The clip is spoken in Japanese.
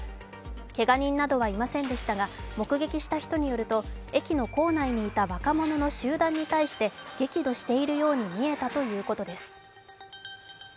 けが人などはいませんでしたが目撃した人によると駅の構内にいた若者の集団に対して激怒しているように見えたということです。